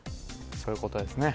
そういうことですね